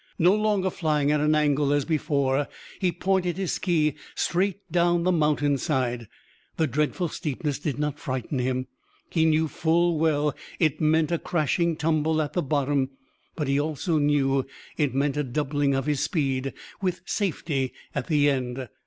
No longer flying at an angle as before, he pointed his ski straight down the mountain side. The dreadful steepness did not frighten him. He knew full well it meant a crashing tumble at the bottom, but he also knew it meant a doubling of his speed with safety at the end.